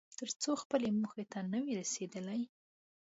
تر څو خپلې موخې ته نه وې رسېدلی.